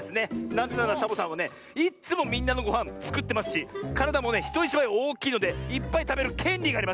なぜならサボさんはねいっつもみんなのごはんつくってますしからだもねひといちばいおおきいのでいっぱいたべるけんりがあります！